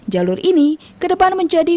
jalur ini ke depan menjadi